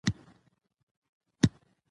ازادي راډیو د امنیت په اړه د ننګونو یادونه کړې.